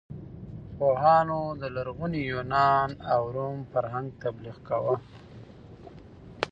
پوهانو د لرغوني یونان او روم فرهنګ تبلیغ کاوه.